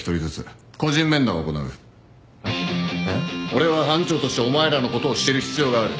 俺は班長としてお前らのことを知る必要がある。